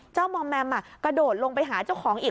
มอมแมมกระโดดลงไปหาเจ้าของอีก